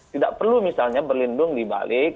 tidak perlu misalnya berlindung dibalik